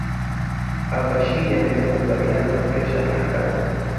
AlBashir ameanza kukubaliana na presha ya Marekani